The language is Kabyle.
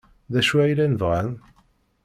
D acu ay llan bɣan?